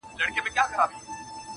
د عمر په حساب مي ستړي کړي دي مزلونه.!